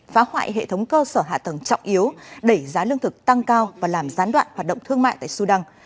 phá hoại hệ thống cơ sở hạ tầng trọng yếu đẩy giá lương thực tăng cao và làm gián đoạn hoạt động thương mại tại sudan